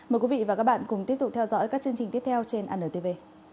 mời quý vị và các bạn cùng tiếp tục theo dõi các chương trình tiếp theo trên antv